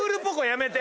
やめて。